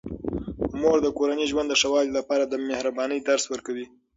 مور د کورني ژوند د ښه والي لپاره د مهربانۍ درس ورکوي.